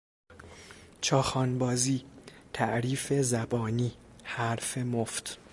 چاخان بازی، تعریف زبانی، حرف مفت